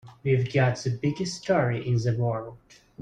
We've got the biggest story in the world.